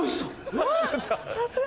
うわさすが！